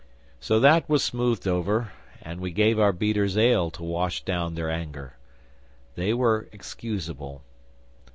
So that was smoothed over, and we gave our beaters ale to wash down their anger. They were excusable!